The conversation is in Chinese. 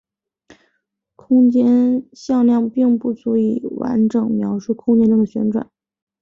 空间向量并不足以完整描述空间中的旋转。